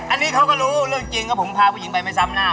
อันนี้เขาก็รู้เรื่องจริงก็ผมพาผู้หญิงไปไม่ซ้ำหน้า